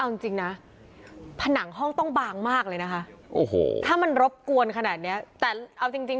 เอาจริงจริงนะผนังห้องต้องบางมากเลยนะคะโอ้โหถ้ามันรบกวนขนาดเนี้ยแต่เอาจริงจริง